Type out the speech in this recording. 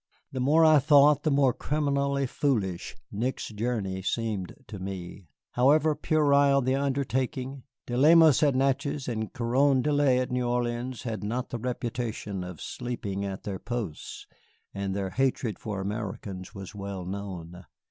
The more I thought, the more criminally foolish Nick's journey seemed to me. However puerile the undertaking, De Lemos at Natchez and Carondelet at New Orleans had not the reputation of sleeping at their posts, and their hatred for Americans was well known.